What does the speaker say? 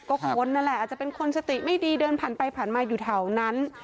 ก็คนนั่นแหละอาจจะเป็นคนสติไม่ดีเดินผ่านไปผ่านมาอยู่แถวนั้น